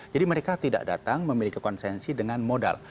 mereka tidak datang memiliki konsensi dengan modal